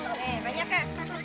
oke banyak ya